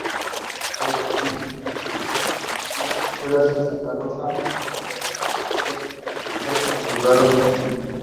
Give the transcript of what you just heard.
He is one of the finest leaders any team could have.